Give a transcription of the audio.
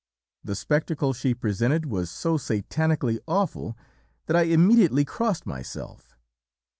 "The spectacle she presented was so satanically awful that I immediately crossed myself.